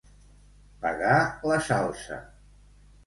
Pagar la salsa.